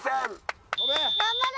頑張れ！